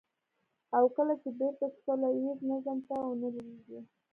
او کله چې بېرته سوله ييز نظم ته ونه لوېږي.